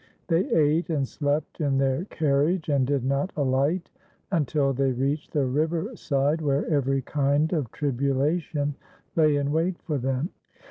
They ate and slept in their carriage, and did not alight until they reached the river side, where every kind of tribulation lay in wait for them.